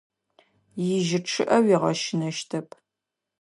Ижьы чъыӏэ уигъэщынэщтэп.